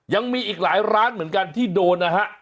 ยังมีอีกหลายร้านเหมือนกันที่โดนนะฮะ